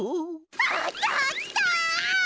あったーきた！